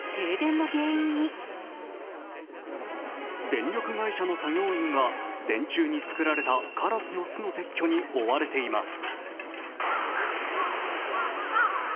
電力会社の作業員が電柱に作られたカラスの巣の撤去に追われています。